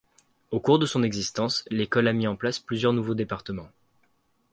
Au cours de son existence, l'école a mis en place plusieurs nouveaux départements.